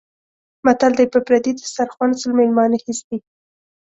متل دی: په پردي دیسترخوا سل مېلمانه هېڅ دي.